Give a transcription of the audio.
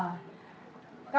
ada yang sudah